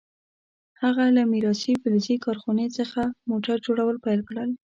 هغه له میراثي فلزي کارخونې څخه موټر جوړول پیل کړل.